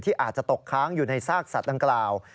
อาจจะตกค้างอยู่ในซากสัตว์ดังกล่าว